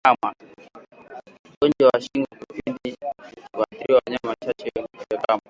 Ugonjwa wa shingo kupinda huathiri wanyama wachache waliokomaa